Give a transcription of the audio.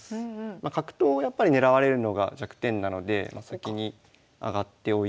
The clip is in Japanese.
まあ角頭をやっぱり狙われるのが弱点なので先に上がっておいて。